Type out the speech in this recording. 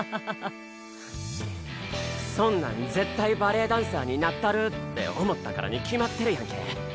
そんなん「絶対バレエダンサーになったる」って思ったからに決まってるやんけ。